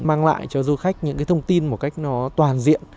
mang lại cho du khách những cái thông tin một cách nó toàn diện